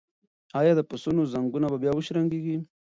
ایا د پسونو زنګونه به بیا وشرنګیږي؟